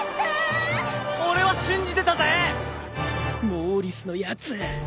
モーリスのやつ。